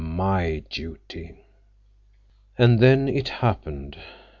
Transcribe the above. My duty.' "And then—it happened.